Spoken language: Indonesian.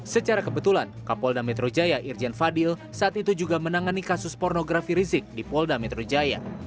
secara kebetulan kapolda metro jaya irjen fadil saat itu juga menangani kasus pornografi rizik di polda metro jaya